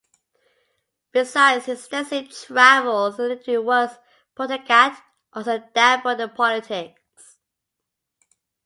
Besides his extensive travels and literary works, Pottekkatt also dabbled in politics.